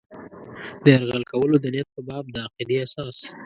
د یرغل کولو د نیت په باب د عقیدې اساس.